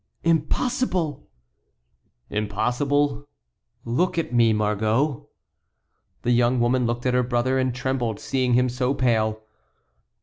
"Impossible!" "Impossible? Look at me, Margot." The young woman looked at her brother and trembled, seeing him so pale.